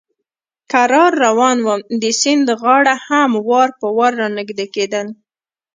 کرار روان ووم، د سیند غاړه هم وار په وار را نږدې کېدل.